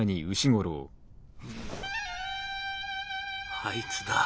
あいつだ。